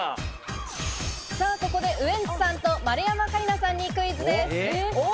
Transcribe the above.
ここでウエンツさんと丸山桂里奈さんにクイズです。